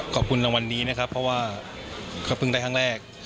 ขอบคุณรางวัลนี้นะครับเพราะว่าเขาเพิ่งได้ครั้งแรก